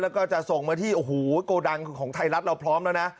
แล้วก็จะส่งมาที่โอ้โหโกดังของไทยรัฐเราพร้อมแล้วนะ